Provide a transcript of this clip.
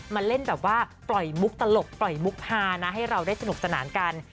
มาเล่นแบบว่าปล่อยมุกตลกปล่อยมุกฮานะให้เราได้สนุกสนานกัน